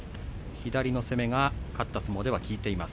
左の攻めが勝った相撲では効いています。